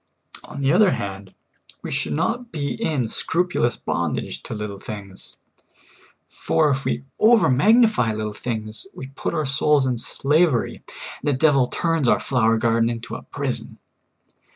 On the other hand, we should not be in scrupulous bondage to little things, for if we over magnify little things, we put our souls in slavery, and SIMPLICITY. , 53 the devil turns our flower garden into a prison.